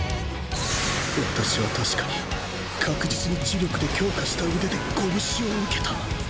私は確かに確実に呪力で強化した腕で拳を受けた。